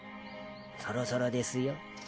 そろそろですよ。